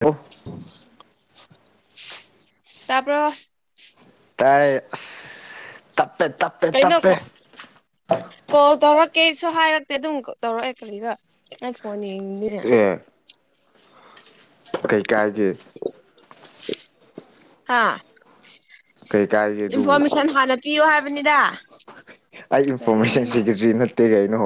ꯑꯣ ꯇꯥꯕ꯭ꯔꯣ꯫ ꯇꯥꯏ ꯑꯁ ꯇꯞꯄꯦ ꯇꯞꯄꯦ ꯀꯩꯅꯣ ꯇꯞꯄꯦ ꯀꯣ ꯀꯣꯜ ꯇꯧꯔꯛꯀꯦꯁꯨ ꯍꯥꯏꯔꯛꯇꯦ ꯑꯗꯨꯝ ꯇꯧꯔꯛꯑꯦ ꯀꯔꯤꯔꯥ ꯅꯪ ꯐꯣꯟ ꯌꯦꯡꯉꯤꯅꯤ ꯑꯦ ꯀꯩꯀꯥꯏꯒꯤ ꯍꯥ ꯀꯩ [unintelligible] ꯏꯟꯐꯣꯔꯃꯦꯁꯟ ꯍꯥꯟꯅ ꯄꯤꯌꯣ ꯍꯥꯏꯕꯅꯤꯗ ꯑꯩ ꯏꯟꯐꯣꯔꯃꯦꯁꯟ ꯀꯔꯤꯔꯅꯦ ꯁꯤꯒꯤꯗ꯭ꯔꯤ ꯅꯠꯇꯦ ꯀꯩꯅꯣ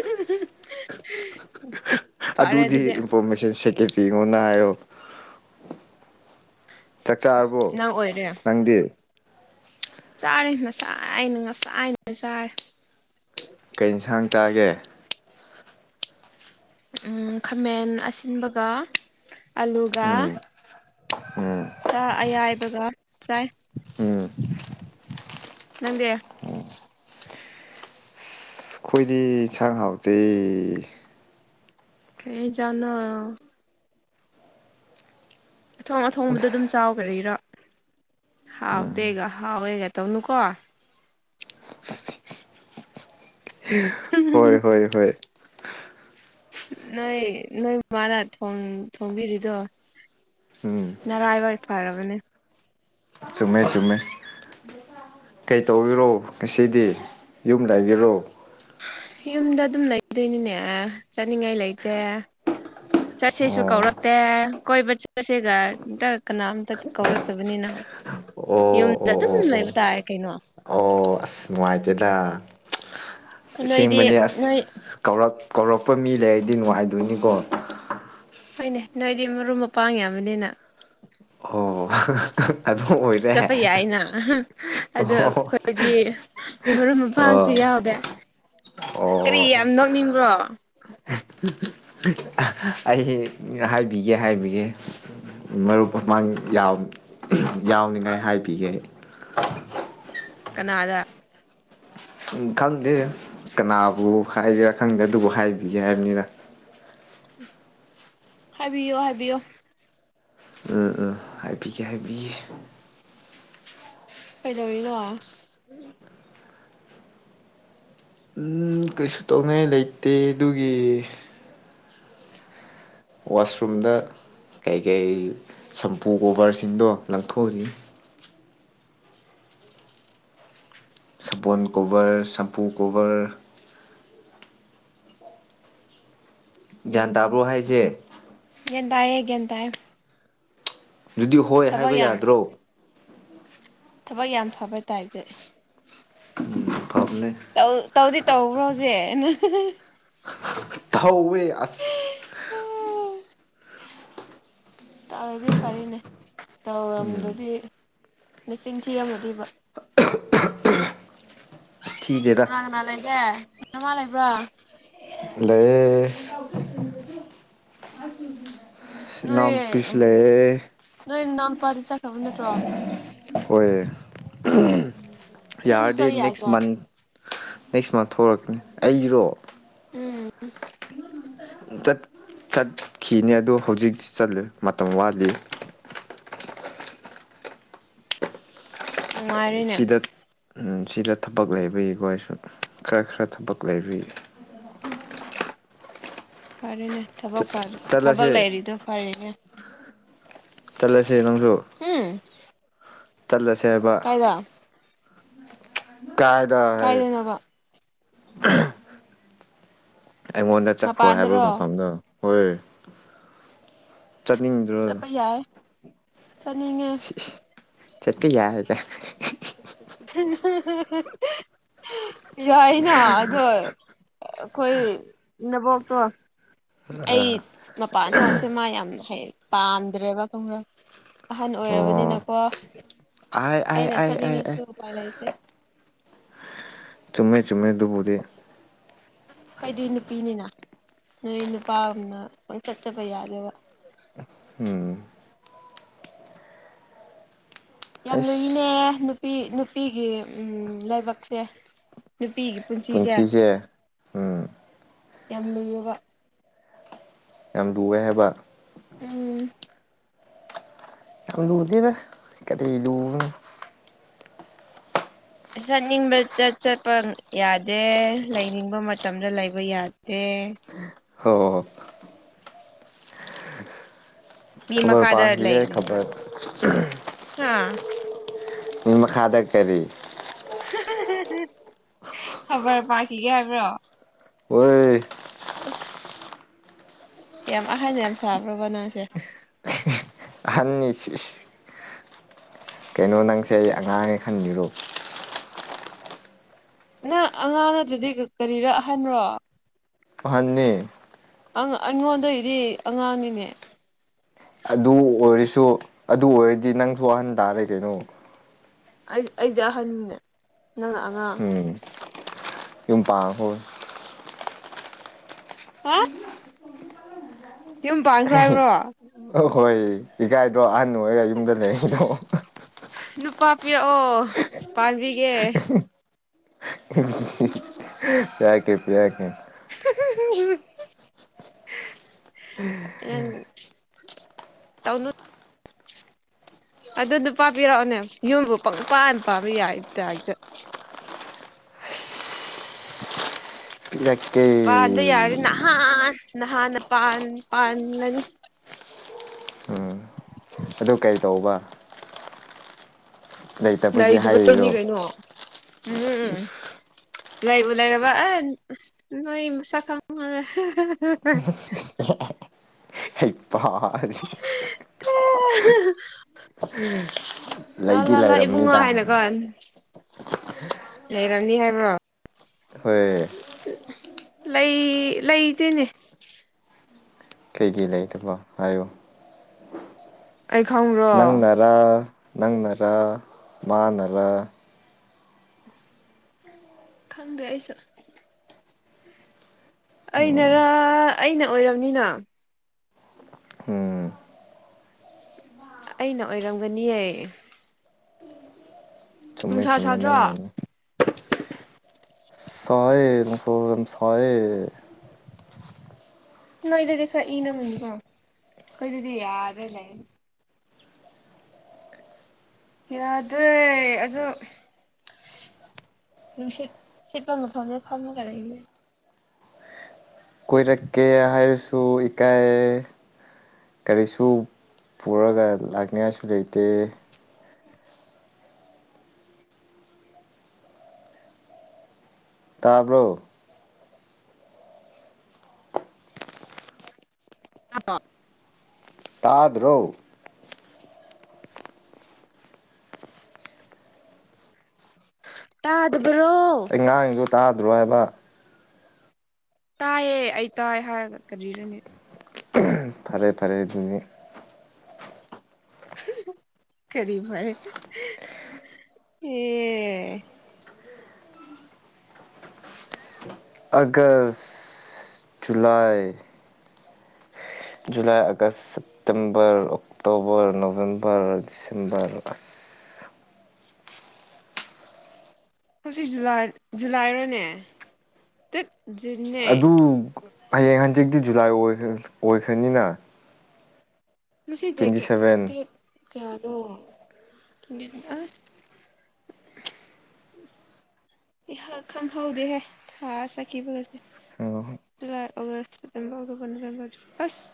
[unintelligible] ꯑꯗꯨꯗꯤ ꯏꯟꯐꯣꯔꯃꯦꯁꯟ ꯁꯦꯀꯦꯇꯔꯤꯉꯣꯅ ꯍꯥꯏꯌꯣ ꯆꯥꯛ ꯆꯥꯔꯕꯣ ꯅꯪ ꯑꯣꯏꯔꯦ ꯅꯪꯗꯤ ꯆꯥꯔꯦ ꯉꯁꯥꯏꯅ ꯉꯁꯥꯏꯅ ꯆꯥꯏ ꯀꯩ ꯏꯟꯁꯥꯡ ꯆꯥꯒꯦ ꯈꯥꯃꯦꯟ ꯑꯁꯤꯟꯕꯒ ꯑꯂꯨꯒ ꯁꯥ ꯑꯌꯥꯏꯕꯒ ꯆꯥꯏ ꯎꯝ ꯅꯪꯗꯦ ꯑꯩꯈꯣꯏꯗꯤ ꯌꯦꯟꯁꯥꯡ ꯍꯥꯎꯇꯦ ꯀꯩ ꯆꯥꯅꯣ ꯑꯊꯣꯡ ꯑꯊꯣꯡꯕꯗ ꯑꯗꯨꯝ ꯆꯥꯎꯀꯥꯔꯤꯔꯣ ꯍꯥꯎꯇꯦꯒ ꯍꯥꯎꯋꯦꯒ ꯇꯧꯅꯨꯀꯣ ꯍꯣꯏ ꯍꯣꯏ ꯍꯣꯏ ꯅꯣꯏ ꯅꯣꯏ ꯃꯥꯥꯅ ꯊꯨꯝ ꯊꯣꯡꯕꯤꯔꯤꯗꯣ ꯎꯝ ꯅꯔꯥꯏꯕꯛ ꯐꯔꯕꯅꯦ ꯆꯨꯝꯃꯦ ꯆꯨꯝꯃꯦ ꯀꯩ ꯇꯧ [unintelligible] ꯔꯣ ꯉꯁꯤꯗꯤ ꯌꯨꯝ ꯂꯩꯒꯦꯔꯣ ꯌꯨꯝꯗ ꯑꯗꯨꯝ ꯂꯩꯗꯣꯏꯅꯤꯅꯦ ꯆꯠꯅꯤꯡꯉꯥꯏ ꯂꯩꯇꯦ ꯆꯠꯁꯦꯁꯨ ꯑꯣ ꯀꯧꯔꯛꯇꯦ ꯀꯣꯏꯕ ꯆꯠꯂꯥꯁꯦꯒ ꯑꯝꯇ ꯀꯅꯥꯝꯇ ꯀꯧꯔꯛꯇꯕꯅꯤꯅ ꯑꯣ ꯌꯨꯝꯗ ꯑꯣ ꯑꯗꯨꯝ ꯑꯣ ꯑꯣ ꯂꯩꯕ ꯇꯥꯏ ꯀꯩꯅꯣ ꯑꯣ ꯑꯁ ꯅꯨꯡꯉꯥꯏꯇꯦꯗ ꯅꯣꯏꯗꯤ ꯑꯁꯦꯡꯕꯅꯦ ꯑꯁ ꯅꯣꯏ ꯀꯧꯔꯛ ꯀꯧꯔꯛꯄ ꯃꯤ ꯂꯩꯔꯗꯤ ꯅꯨꯡꯉꯥꯏꯗꯣꯏꯅꯤꯀꯣ ꯍꯣꯏꯅꯦ ꯅꯣꯏꯗꯤ ꯃꯔꯨꯞ ꯃꯄꯥꯡ ꯌꯥꯝꯕꯅꯤꯅ ꯑꯣ ꯑꯗꯨ ꯑꯣꯏꯔꯦ ꯆꯠꯄ ꯌꯥꯏꯅ ꯑꯍꯥ ꯑꯗꯣ ꯑꯣ ꯑꯩꯈꯣꯏꯗꯤ ꯃꯔꯨꯞ ꯑꯣ ꯃꯄꯥꯡꯁꯨ ꯌꯥꯎꯗꯦ [inaudible] ꯀꯔꯤ ꯑꯣ ꯌꯥꯝ ꯅꯣꯛꯅꯤꯡꯕ꯭ꯔꯣ ꯑꯥ ꯑꯩ ꯍꯥꯏꯕꯤꯒꯦ ꯍꯥꯏꯕꯤꯒꯦ ꯃꯔꯨꯞ ꯃꯃꯥꯡ ꯌꯥꯝ ꯌꯥꯅꯤꯡꯉꯥꯏ ꯍꯥꯏꯕꯤꯒꯦ ꯀꯅꯥꯗ ꯈꯪꯗꯦ ꯀꯅꯥꯕꯨ ꯍꯥꯏꯒꯦꯔꯥ ꯈꯪꯗꯦ ꯑꯗꯨꯕꯨ ꯍꯥꯏꯕꯤꯒꯦ ꯍꯥꯏꯕꯅꯤꯅ ꯍꯥꯏꯕꯤꯌꯣ ꯍꯥꯏꯕꯤꯌꯣ ꯑ ꯑꯥ ꯍꯥꯏꯕꯤꯒꯦ ꯍꯥꯏꯕꯤꯒ‌ꯦ ꯀꯩꯗꯧꯔꯤꯅꯣ ꯎꯝ ꯀꯩꯁꯨ ꯇꯧꯅꯤꯡꯉꯥꯏ ꯂꯩꯇꯦ ꯑꯗꯨꯒꯤ ꯋꯥꯁꯔꯨꯝꯗ ꯀꯩꯀꯩ ꯁꯝꯄꯨ ꯀꯣꯕꯔꯁꯤꯡꯗꯣ ꯂꯪꯊꯣꯛꯎꯏ ꯁꯄꯣꯟ ꯀꯣꯕꯔ ꯁꯝꯄꯨ ꯀꯣꯕꯔ ꯒ꯭ꯌꯥꯟ ꯇꯥꯕ꯭ꯔꯣ ꯍꯥꯏꯁꯦ ꯒ꯭ꯌꯥꯟ ꯇꯥꯏꯌꯦ ꯒ꯭ꯌꯥꯟ ꯇꯥꯏꯌꯦ ꯑꯗꯨꯗꯤ ꯍꯣꯏ ꯊꯕꯛ ꯍꯥꯏꯕ ꯌꯥꯝ ꯌꯥꯗ꯭ꯔꯣ ꯊꯕꯛ ꯌꯥꯝ ꯐꯕꯥ ꯇꯥꯏꯞꯇ ꯐꯕꯅꯦ ꯇꯧ ꯇꯧꯗꯤ ꯇꯧꯕ꯭ꯔꯣ ꯍꯧꯖꯤꯛ ꯇꯧꯋꯦ ꯑꯁ ꯇꯧꯔꯗꯤ ꯐꯔꯦꯅꯦ ꯇꯧꯔꯝꯗꯔꯥꯗꯤ ꯅꯆꯤꯟ ꯊꯤꯔꯝꯃꯗꯤꯕ ꯊꯤꯗꯦꯗ ꯀꯅꯥ ꯀꯅꯥ ꯂꯩꯒꯦ ꯅꯃꯥ ꯂꯩꯕ꯭ꯔꯥ ꯂꯩꯌ‌‌ꯦ [unintelligible] ꯅꯣꯏ ꯎꯝ ꯂꯩꯌꯦ ꯅꯣꯏ ꯅꯅꯥꯎꯄꯥꯗꯤ ꯆꯠꯈ꯭ꯔꯥꯕ ꯅꯠꯇ꯭ꯔꯣ ꯑꯣꯏ ꯎꯝ ꯅꯪꯁꯨ ꯌꯥꯔꯗꯤ ꯆꯠ ꯅꯦꯛꯁ ꯌꯥꯗ꯭ꯔꯣ ꯃꯟꯠ ꯅꯦꯛꯁ ꯃꯟ [unintelligible] ꯊ‌ꯣꯔꯛꯄꯅꯤ ꯑꯩꯔꯣ ꯎꯝ ꯆꯠꯈꯤꯅꯤ ꯑꯗꯨ ꯍꯧꯖꯤꯛꯇꯤ ꯆꯠꯂ‌ꯣꯏ ꯃꯇꯝ ꯋꯥꯠꯂꯤ ꯑ‌ꯦ ꯅꯨꯡꯉꯥꯏꯔꯦꯅꯦ ꯁꯤꯗ ꯎꯝ ꯁꯤꯗ ꯊꯕꯛ ꯂꯩꯕꯒꯤꯀ‌ꯣ ꯑꯩꯁꯨ ꯈꯔ ꯈꯔ ꯊꯕꯛ ꯂꯩꯕꯒꯤ ꯎꯝ ꯐꯔꯦꯅꯦ ꯊꯕꯛ ꯆꯠ ꯊꯕꯛ ꯆꯠꯂꯁꯦ ꯂꯩꯔꯤꯗꯣ ꯐꯔꯤꯅꯦ ꯆꯠꯂꯁ‌ꯦ ꯅꯪꯁꯨ ꯍꯝ ꯆꯜꯂꯁꯦ ꯍꯥꯏꯕ [unintelligible] ꯀꯥꯏꯗ ꯍꯥꯏꯌ‌ꯦ ꯀꯥꯏꯗꯅꯣꯕ ꯑꯩꯉꯣꯟꯗ ꯆꯠꯈ꯭ꯔꯣ ꯍꯥꯏꯕ ꯃꯄꯥꯟꯗꯔꯣ ꯃꯐꯝꯗꯣ ꯍꯣꯏ ꯆꯠꯅꯤꯡꯗ꯭ꯔꯣ ꯆꯠꯅꯤꯡꯉ‌ꯦ ꯆꯠꯄꯤ ꯌꯥꯔ‌ꯣꯏꯗ꯭ꯔꯥ ꯌꯥꯏꯅ ꯑꯗꯣ ꯑꯩꯈꯣꯏ ꯅꯕꯣꯛꯇꯣ ꯑꯩ ꯃꯄꯥꯟ ꯊ‌ꯣꯛꯄꯁꯦ ꯃꯥ ꯌꯥꯝ ꯄꯥꯝꯗ꯭ꯔꯦꯕ ꯈꯪꯕ꯭ꯔꯥ ꯑꯍꯟ ꯑꯣ ꯑꯣꯏꯔꯕꯅꯤꯅꯀꯣ ꯑꯥꯏ ꯑꯥꯏ ꯑꯩꯅ ꯑꯥꯏ ꯑꯥꯏ ꯆꯠꯅꯤꯡꯉꯁꯨ ꯑꯥꯏ ꯎꯄꯥꯏ ꯂꯩꯇꯦ ꯆꯨꯝꯃꯦ ꯆꯨꯝꯃꯦ ꯑꯗꯨꯕꯨꯗꯤ ꯑꯈꫭꯏꯗꯤ ꯅꯨꯄꯤꯅꯤꯅ ꯅꯣꯏ ꯅꯨꯄꯥꯒꯨꯝꯅ ꯄꯪꯆꯠ ꯆꯠꯄꯥ ꯌꯥꯗꯦꯕ ꯎꯝ ꯌꯥꯝ ꯂꯨꯏꯅꯦ ꯑꯁ ꯅꯨꯄꯤ ꯅꯨꯄꯤꯒꯤ ꯎꯝ ꯂꯥꯏꯕꯛꯁꯦ ꯅꯨꯄꯤꯒꯤ ꯄꯨꯟꯁꯤꯁꯦ ꯌꯥꯝ ꯂꯨꯏꯌꯦꯕ ꯌꯥꯝ ꯂꯨꯋꯦ ꯍꯥꯏꯕ ꯎꯝ ꯌꯥꯝ ꯂꯨꯗ‌ꯦꯅ‌ꯦ ꯀꯔꯤ ꯂꯨꯕꯅ‌ꯣ ꯆꯠꯅꯤꯡꯕꯗ ꯆꯠꯄ ꯌꯥꯗꯦ ꯂꯩꯅꯤꯡꯕ ꯃꯇꯝꯗ ꯂꯩꯕ ꯌꯥꯗꯦ ꯍꯣ ꯃꯤ ꯈꯕꯔ ꯈꯥꯗ ꯄꯥꯈꯤꯒꯦ ꯈꯕꯔ ꯂꯩꯕꯅꯤꯅ‌ꯦ ꯑꯥ ꯃꯤ ꯃꯈꯥꯗ ꯀꯔꯤ ꯈꯥꯕꯔ ꯄꯥꯈꯤꯒꯦ ꯍꯥꯏꯕ꯭ꯔꯣ ꯍ‌ꯣꯏ ꯑꯁ ꯌꯥꯝ ꯑꯍꯜ ꯌꯥꯝ ꯁꯥꯕ꯭ꯔꯣꯕ ꯅꯪꯁꯦ ꯑꯦ ꯁꯤꯁ ꯀꯩꯅꯣ ꯅꯪꯁꯦ ꯑꯩ ꯑꯉꯥꯡꯅꯦ ꯈꯟꯂꯤꯔꯣ ꯅꯪ ꯑꯉꯥꯡ ꯅꯠꯇ꯭ꯔꯗꯤ ꯀꯔꯤꯔ ꯑꯍꯟꯔꯣ? ꯑꯍꯟꯅ‌ꯦ ꯑꯪ ꯑꯩꯉꯣꯟꯗꯩꯗꯤ ꯑꯉꯥꯡꯅꯤꯅꯦ ꯑꯗꯨ ꯑꯣꯏꯔꯁꯨ ꯑꯗꯨ ꯑꯣꯏꯔꯗꯤ ꯅꯪꯁꯨ ꯑꯍꯟ ꯇꯥꯔꯦ ꯀꯩꯅꯣ ꯑꯩ ꯑꯩꯗꯤ ꯑꯍꯟꯅꯤꯅ‌ꯦ ꯅꯪꯅ ꯑꯉꯥꯡ ꯎꯝ ꯌꯨꯝ ꯄꯥꯟꯈ꯭ꯔ‌ꯣ ꯍꯥ ꯌꯨꯝ ꯄꯥꯟꯈ꯭ꯔ‌ꯣ ꯍꯥꯏꯕ꯭ꯔꯣ? ꯑ‌‌ꯣ ꯍꯣꯏ ꯏꯀꯥꯏꯗ꯭ꯔ‌ꯣ ꯑꯍꯟ ꯑꯣꯏꯔꯒ ꯌꯨꯝꯗ ꯂꯩꯔꯤꯗꯣ ꯅꯨꯄꯥ ꯄꯤꯔꯛꯑꯣ ꯄꯥꯕꯤꯒꯦ [unintelligible] ꯄꯤꯔꯛꯀ‌ꯦ ꯄꯤꯔꯛꯀ‌ꯦ [unintelligible] ꯅꯪ ꯇꯧꯅꯨ ꯑꯗꯨ ꯅꯨꯄꯥ ꯄꯤꯔꯛꯑꯣꯅꯦ ꯌꯨꯝꯕꯨ ꯄꯪꯄꯥꯟ ꯄꯥꯝꯕ ꯌꯥꯕꯩ ꯇꯥꯏꯞꯇ [inaudible] ꯄꯤꯔꯛꯀ‌ꯦ ꯄꯥꯟꯕ ꯌꯥꯔꯗꯤ ꯅꯍꯥꯟ ꯅꯍꯥꯟꯅ ꯄꯥꯟ ꯄꯥꯟꯒꯅꯤ ꯑꯗꯨ ꯀꯩ ꯇꯧꯕ ꯂꯩꯇꯕꯒꯤ ꯍꯥꯏꯔꯤꯔꯣ ꯂꯩꯗꯕꯩꯅꯤ ꯀꯩꯅꯣ ꯎꯝ ꯎꯝ ꯂꯩꯕꯨ ꯂꯩꯔꯕ ꯑꯦ ꯅꯣꯏ ꯃꯁꯛ ꯈꯪꯉꯔ‌ꯣꯏ ꯍꯩꯄꯥꯗꯤ [unintelligible] ꯂꯥ ꯂꯩꯗꯤ ꯂꯥ ꯂꯥ ꯏꯕꯨꯡꯉꯣ ꯂꯩꯔꯝꯅꯤꯗ ꯍꯥꯏꯅ ꯀ‌ꯣ ꯂꯩꯔꯝꯅꯤ ꯍꯥꯏꯕ ꯍꯣꯏ ꯂꯩ ꯂꯩꯇꯦꯅꯦ ꯀꯩꯒꯤ ꯂꯩꯇꯕ ꯍꯥꯏꯌ‌ꯣ ꯑꯩ ꯈꯪꯕ꯭ꯔꯣ ꯔ ꯅꯪꯅꯥꯔ ꯃꯥꯅꯔ ꯈꯪꯗꯦ ꯑꯩꯁꯨ ꯑꯩꯅꯔ ꯑꯩꯅ ꯑꯣꯏꯔꯝꯅꯤꯅ ꯎꯝ ꯑꯩꯅ ꯑꯣꯏꯔꯝꯒꯅꯤꯌꯦ ꯆꯨꯝꯃꯦ ꯅꯨꯡꯁꯥ ꯆꯨꯝꯃꯦ ꯁꯥꯗ꯭ꯔꯣ ꯅꯪꯅꯅꯤ ꯁꯥꯏꯌ‌ꯦ ꯅꯨꯡꯁ ꯌꯥꯝ ꯁꯥꯏꯌ‌ꯦ ꯅꯣꯏꯗꯗꯤ ꯈꯔ ꯏꯪꯂꯝꯒꯅꯤ ꯀ‌ꯣ ꯑꯈ‌ꯣꯏꯗꯗꯤ ꯌꯥꯗꯦꯅꯦ ꯌꯥꯗ꯭ꯔꯦ ꯑꯗꯣ ꯅꯨꯡꯁꯤꯠ ꯁꯤꯠꯄ ꯃꯐꯝꯗ ꯐꯥꯝꯃꯒ ꯂꯩꯅꯤꯡꯑ‌ꯦ ꯀꯣꯏꯔꯛꯀꯦ ꯍꯥꯏꯔꯁꯨ ꯏꯀꯥꯏꯌ‌ꯦ ꯀꯔꯤꯁꯨ ꯄꯨꯔꯒ ꯂꯥꯛꯅꯤꯉꯥꯏꯁꯨ ꯂꯩꯇꯦ ꯇꯥꯕ꯭ꯔꯣ ꯇꯥꯗ꯭ꯔ‌ꯣ ꯇꯥꯗ꯭ꯔꯣ? ꯇꯥꯗꯕ꯭ꯔꯣ? ꯑꯩ ꯉꯥꯡꯉꯤꯗꯣ ꯇꯥꯗ꯭ꯔꯣ ꯍꯥꯏꯕ? ꯇꯥꯏꯌꯦ ꯑꯩ ꯇꯥꯏ ꯍꯥꯏꯔꯒ ꯀꯔꯤꯔꯅꯦ ꯐꯔꯦ ꯐꯔꯦ ꯑꯗꯨꯅꯤ ꯀꯔꯤ ꯐꯔ‌ꯦ ꯑꯦ August July July August September October November December ꯑꯁ ꯍꯧꯖꯤꯛ ꯖꯨꯂꯥꯏ ꯖꯨꯂꯥꯏꯔꯣꯅꯦ ꯇꯠ ꯖꯨꯟꯅꯦ ꯑꯗꯨ ꯫ ꯍꯌꯦꯡ ꯍꯟꯖꯤꯛꯇꯤ ꯖꯨꯂꯥꯏ ꯑꯣꯏꯈ꯭ꯔ ꯑꯣꯏꯈ꯭ꯔꯅꯤꯅ ꯃꯁꯤ ꯗꯦꯠ ꯇ꯭ꯋꯦꯟꯇꯤ ꯀꯌꯥ ꯁꯚꯦꯟ ꯗꯦꯠ ꯀꯌꯥꯅꯣ ꯑꯁ ꯏꯍꯪ ꯈꯪꯍꯧꯗꯦꯍꯦ ꯊꯥ ꯆꯠꯈꯤꯕꯒꯁꯦ ꯑꯣ July August September October November ꯑꯁ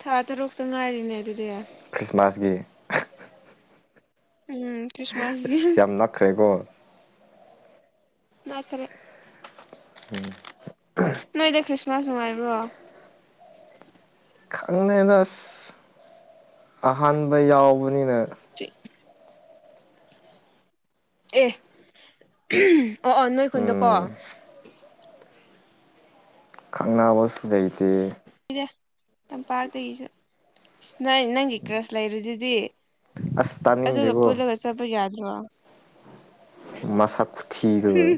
ꯊꯥ ꯇꯔꯨꯛꯇ ꯉꯥꯏꯔꯤꯅꯦ ꯑꯗꯨꯗꯤ꯫ ꯈ꯭ꯔꯤꯁꯃꯥꯁꯒꯤ ꯎꯝ ꯈ꯭ꯔꯤꯁꯃꯥꯁꯒꯤ ꯑꯁ ꯌꯥꯝ ꯅꯛꯈ꯭ꯔꯦꯀꯣ [unintelligible] [unintelligible] ꯅꯣꯏꯗꯤ ꯈ꯭ꯔꯤꯁꯃꯥꯁ ꯅꯨꯡꯉꯥꯏꯕ꯭ꯔꯣ? ꯅꯦ ꯑꯁ ꯑꯍꯥꯟꯕ ꯌꯥꯎꯕꯅꯤꯅ [unintelligible] ꯑꯦ ꯑꯣ ꯑꯣ ꯅꯣꯏ ꯈꯨꯟꯗꯀꯣ꯫ ꯎꯝ ꯊꯪꯅꯕꯁꯨ ꯂꯩꯇꯦ꯫ ꯇꯝꯄꯥꯛꯇꯒꯤꯁꯨ ꯅ ꯅꯪꯒꯤ ꯀ꯭ꯔꯁ ꯂꯩꯕꯗꯨꯗꯤ ꯑꯁ ꯑꯗꯨꯒ ꯇꯥꯅꯤꯡꯗꯦꯀꯣ ꯄꯨꯜꯂꯒ ꯆꯠꯄ ꯌꯥꯗ꯭ꯔꯣ? ꯃꯁꯛ ꯈꯨꯊꯤꯗꯨꯒ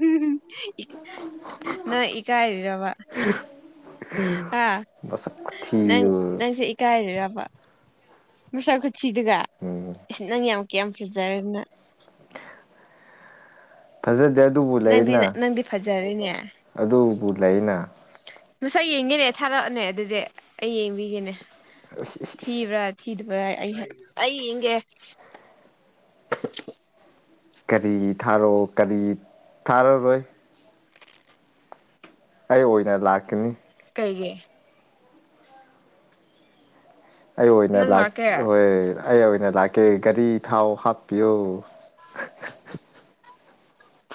ꯅꯣꯏ ꯏꯀꯥꯏꯔꯤꯔꯕꯥ? ꯍꯥ ꯃꯁꯛ ꯅꯪ ꯈꯨꯊꯤꯗꯨꯒ ꯅꯪꯁꯦ ꯏ ꯀꯥꯏꯔꯤꯔꯕ ꯃꯁꯛ ꯈꯨꯊꯤꯗꯨꯒ ꯎꯝ ꯅꯪ ꯌꯥꯝ ꯀꯌꯥꯝ ꯌꯥꯝ ꯐꯖꯔꯦꯅ꯫ ꯐꯖꯗꯦ ꯑꯗꯨꯕꯨ ꯅꯪꯗꯤ ꯂꯩꯅ ꯅꯪꯗꯤ ꯐꯖꯔꯦꯅꯦ ꯑꯗꯨꯕꯨ ꯂꯩꯅ ꯃꯁꯛ ꯌꯦꯡꯒꯦꯅꯦ ꯊꯥꯔꯛꯑꯣꯅꯦ ꯑꯗꯨꯗꯤ ꯑꯩ ꯌꯦꯡꯕꯤꯒꯦꯅꯦ ꯏꯁ ꯏꯁ ꯏꯁ ꯊꯤꯕ꯭ꯔꯥ ꯊꯤꯗꯕ꯭ꯔ ꯑꯩ ꯑꯩ ꯌꯦꯡꯒꯦ ꯀꯔꯤ ꯊꯥꯔꯛꯑꯣ ꯀꯔꯤ ꯊꯥꯔꯔꯣꯏ꯫ ꯑꯩ ꯑꯣꯏꯅ ꯂꯥꯛꯀꯅꯤ꯫ ꯀꯩꯒꯤ? ꯑꯩ ꯑꯣꯏꯅ ꯅꯪ ꯂꯥꯛ ꯂꯥꯛꯀꯦ ꯍꯣꯏ ꯑꯩ ꯑꯣꯏꯅ ꯂꯥꯛꯀꯦ ꯒꯥꯔꯤ ꯊꯥꯎ ꯍꯥꯞꯄꯤꯌꯨ꯫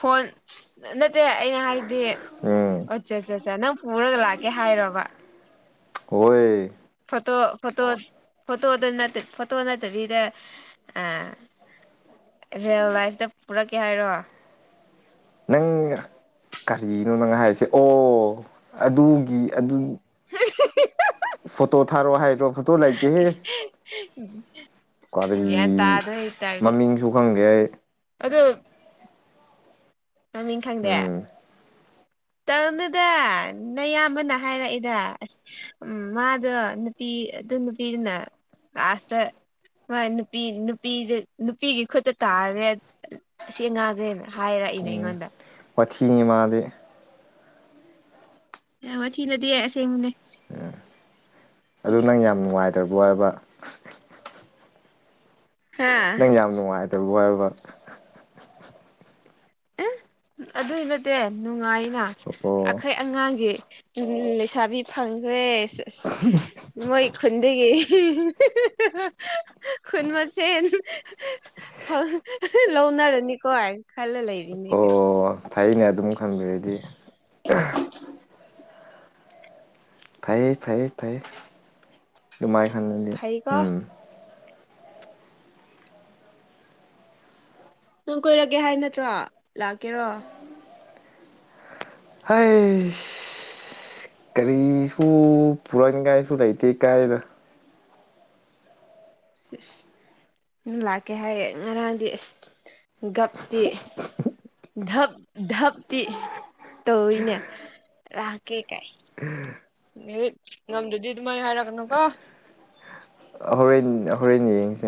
ꯐꯣꯟ ꯅꯠꯇꯦ ꯑꯩꯅ ꯍꯥꯏꯗꯤ ꯎꯝ ꯑꯆꯥ ꯑꯠꯆꯥ ꯑꯠꯆꯥ ꯅꯪ ꯄꯨꯔꯒ ꯂꯥꯛꯀꯦ ꯍꯥꯏꯔꯕ? ꯍꯣꯏ ꯐꯣꯇꯣ ꯐꯣꯇꯣ ꯐꯣꯇꯣꯗ ꯅꯠꯇꯦ ꯐꯣꯇꯣ ꯅꯠꯇꯕꯤꯗ ꯑ ꯔꯤꯌꯦꯜ ꯂꯥꯏꯐꯇ ꯄꯨꯔꯛꯀꯦ ꯍꯥꯏꯔꯣ? ꯅꯪ ꯀꯔꯤꯅꯣ ꯅꯪ ꯍꯥꯏꯔꯤꯁꯦ ꯑꯣ ꯑꯗꯨꯒꯤ ꯑꯗꯨ ꯐꯇꯣ ꯊꯥꯔꯣ ꯍꯥꯏ ꯔꯣ ꯀꯔꯤ [unintelligible] ꯒꯌꯥꯟ ꯇꯥꯗ꯭ꯔꯦ ꯍꯧꯖꯤꯛꯀꯥꯟꯁꯦ ꯃꯃꯤꯡꯁꯨ ꯈꯪꯗꯦ ꯑꯩ ꯑꯗꯨ ꯃꯃꯤꯡ ꯈꯪꯗꯦ ꯎꯝ ꯇꯪꯅꯨꯗ ꯅꯌꯥꯝꯕꯅ ꯍꯥꯏꯔꯛꯏꯗ ꯑꯁ ꯎꯝ ꯃꯥꯗꯣ ꯅꯨꯄꯤ ꯑꯗꯨ ꯅꯨꯄꯤꯗꯨꯅ ꯂꯥꯁꯇ ꯍꯣꯏ ꯅꯨꯄꯤ ꯅꯨꯄꯤꯗ ꯅꯨꯄꯤꯒꯤ ꯈꯨꯠꯇ ꯇꯥꯔꯦ ꯑꯁꯤ ꯑ ꯉꯥꯁꯦ ꯍꯥꯏꯔꯛꯏꯅꯦ ꯑꯩꯉꯣꯟꯗ ꯋꯥꯊꯤꯉꯤ ꯃꯥꯗꯤ ꯌꯥꯝ ꯋꯥꯊꯤꯅꯠꯇꯤꯌꯦ ꯑꯁꯦꯡꯕꯅꯦ ꯑꯗꯨ ꯅꯪ ꯌꯥꯝ ꯅꯨꯡꯉꯥꯏꯇ꯭ꯔꯣꯕ ꯍꯥꯏꯕ ꯍꯥ ꯅꯪ ꯌꯥꯝ ꯅꯨꯡꯉꯥꯏꯇꯣꯕ ꯍꯥꯏꯕ ꯎ ꯑꯗꯨꯏ ꯅꯠꯇꯦ ꯅꯨꯡꯉꯥꯏꯅ ꯑꯣ ꯑꯩꯈꯣꯏ ꯑꯉꯥꯡꯒꯤ ꯎꯝ ꯂꯩꯁꯥꯕꯤ ꯐꯪꯈ꯭ꯔꯦ ꯑꯁ ꯃꯣꯏ ꯈꯨꯟꯗꯒꯤ ꯈꯨꯟ ꯃꯁꯦꯟ ꯂꯧꯅꯔꯅꯤꯀꯣ ꯈꯜꯂ ꯂꯩꯔꯤꯅꯦ ꯑꯣ ꯀꯩ ꯐꯩꯅꯦ ꯑꯗꯨꯝ ꯈꯟꯕꯤꯔꯗꯤ ꯐꯩꯌꯦ ꯐꯩꯌꯦ ꯐꯩ ꯑꯗꯨꯃꯥꯏꯅ ꯈꯪꯅꯗꯤ ꯐꯩꯀꯣ ꯎꯝ ꯅꯪ ꯀꯣꯏꯔꯛꯀꯦ ꯍꯥꯏ ꯅꯠꯇ꯭ꯔꯣ ꯂꯥꯛꯀꯦꯔꯣ ꯍꯤꯁ ꯀꯔꯤꯁꯨ ꯄꯨꯔꯅꯤꯡꯉꯥꯏꯁꯨ ꯂꯩꯇꯦ ꯀꯥꯏꯅ ꯑꯁ ꯂꯥꯛꯀꯦ ꯍꯥꯏꯔꯦ ꯉꯔꯥꯡꯗꯤ ꯑꯁ ꯒꯞꯇꯤ ꯙꯞ ꯙꯞꯇꯤ ꯇꯧꯋꯤꯅꯦ ꯂꯥꯛꯀꯦ ꯀꯥꯏ ꯉꯝꯗꯔꯗꯤ ꯇꯨꯃꯥꯏ ꯍꯥꯏꯔꯛꯀꯅꯨꯀꯣ ꯍꯣꯔꯦꯟ ꯍꯣꯔꯦꯟ ꯌꯦꯡꯁꯦ